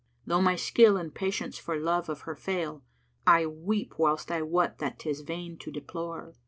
Though my skill and patience for love of her fail, * I weep whilst I wot that 'tis vain to deplore.